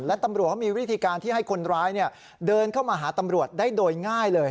และตำรวจเขามีวิธีการที่ให้คนร้ายเดินเข้ามาหาตำรวจได้โดยง่ายเลย